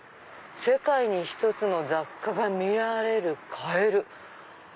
「世界にひとつの雑貨が見られる買える」。